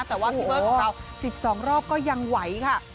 แต่ว่าพี่เบิ้ลของเรา๑๒รอบก็ยังไหวค่ะ